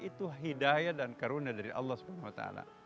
itu hidayah dan karuna dari allah swt